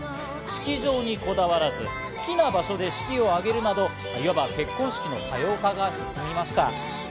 式場にこだわらず、好きな場所で式を挙げるなど、いわば結婚式の多様化が進みました。